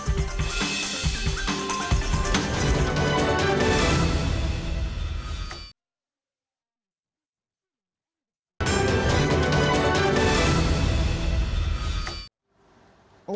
terima kasih benar benar